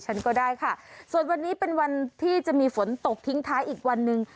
ฉันก็ได้ค่ะส่วนวันนี้เป็นวันที่จะมีฝนตกทิ้งท้ายอีกวันหนึ่ง